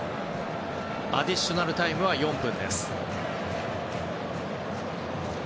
アディショナルタイムは４分。